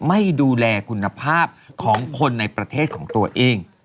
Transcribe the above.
ไม่ดูแลคุณภาพของคนในประเทศของตัวเอง